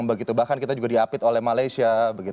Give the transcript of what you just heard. bahkan kita juga diapit oleh malaysia